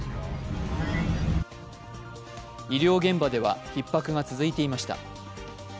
医療現場ではひっ迫が続いていました。